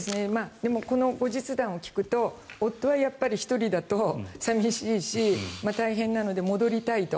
でもこの後日談を聞くとやっぱり夫は１人だと寂しいし大変なので戻りたいと。